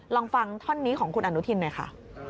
ลองฟังท่อนนี้ของคุณอนุทินหน่อยค่ะ